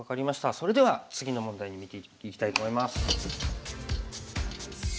それでは次の問題にいきたいと思います。